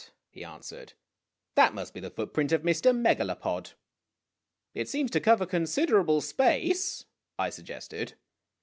he answered. "That must be the footprint of Mr. Megalopocl." ' It seems to cover considerable space," I suggested.